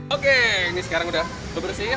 oke ini sekarang udah kebersihin